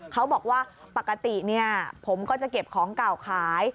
เขาบอกว่าปกติผมก็จะเก็บของเก่าขาย